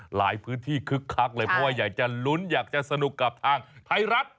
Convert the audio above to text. หลายพื้นที่คึกคักเลยเพราะว่าอยากจะลุ้นอยากจะสนุกกับทางไทยรัฐ